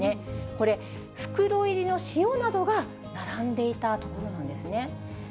これ、袋入りの塩などが並んでいた所なんですね。